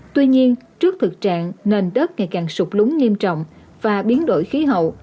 tuy nhiên trước thực trạng nền đất ngày càng sụp lúng nghiêm trọng và biến đổi khí hậu